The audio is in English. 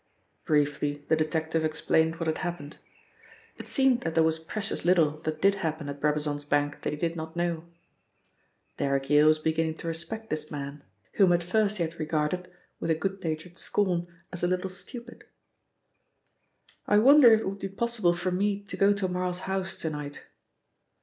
Briefly the detective explained what had happened. It seemed that there was precious little that did happen at Brabazon's bank that he did not know. Derrick Yale was beginning to respect this man, whom at first he had regarded, with a good natured scorn, as a little stupid. "I wonder if it would be possible for me to go to Marl's house to night?"